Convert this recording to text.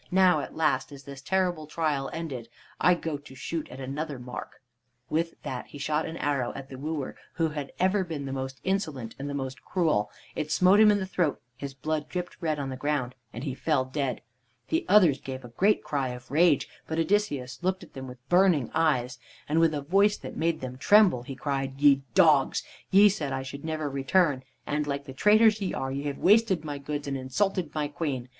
Now, at last, is this terrible trial ended. I go to shoot at another mark!" With that he shot an arrow at the wooer who had ever been the most insolent and the most cruel. It smote him in the throat, his blood dripped red on the ground, and he fell dead. The others gave a great cry of rage, but Odysseus looked at them with burning eyes, and with a voice that made them tremble he cried: "Ye dogs! ye said I should never return, and, like the traitors ye are, ye have wasted my goods and insulted my queen.